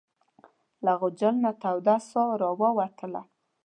له غوجل نه توده ساه راووتله.